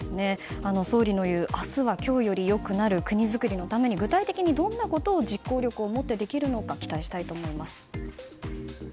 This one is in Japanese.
総理の言う明日は今日より良くなる国造りのために具体的にどんなことを実行力を持ってできるのか期待したいと思います。